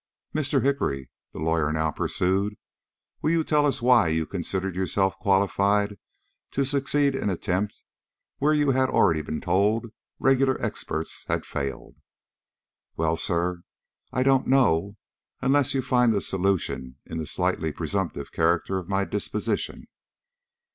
"Mr. Hickory," the lawyer now pursued, "will you tell us why you considered yourself qualified to succeed in an attempt where you had already been told regular experts had failed?" "Well, sir, I don't know unless you find the solution in the slightly presumptive character of my disposition."